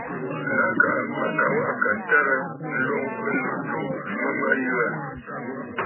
Lâ kaa mə̀ ka waꞌà kà ǹtərə nloŋ ɨnnù jû mə mə̀ yə aà.